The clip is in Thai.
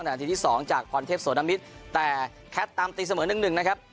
นาทีที่๒จากพรเทพสวนมิตรแต่แคทตามตีเสมอ๑๑นะครับ